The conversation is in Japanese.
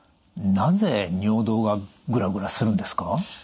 なぜ尿道がグラグラするんですか？